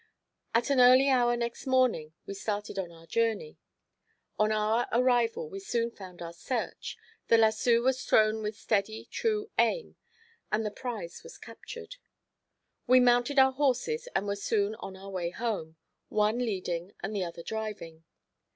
At an early hour next morning we started on our journey. On our arrival we soon found our search, the lasso was thrown with steady, true aim, and the prize was captured. We mounted our horses and were soon on our way home—one leading and the other driving.